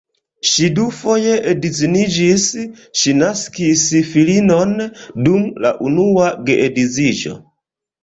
Ŝi dufoje edziniĝis, ŝi naskis filinon dum la unua geedziĝo.